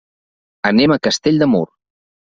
Anem a Castell de Mur.